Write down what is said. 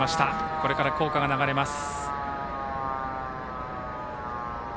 これから校歌が流れます。